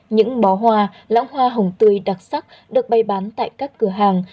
những bó hoa lõng hoa hồng tươi đặc sắc được bay bán tại các cửa hàng